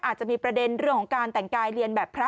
อาจจะมีประเด็นเรื่องของการแต่งกายเรียนแบบพระ